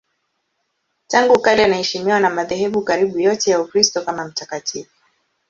Tangu kale anaheshimiwa na madhehebu karibu yote ya Ukristo kama mtakatifu.